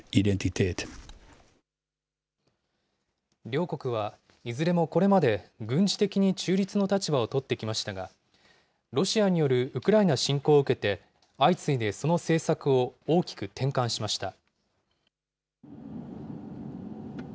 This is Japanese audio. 両国は、いずれもこれまで軍事的に中立の立場を取ってきましたが、ロシアによるウクライナ侵攻を受けて、相次いでその政策を大きく転換しました。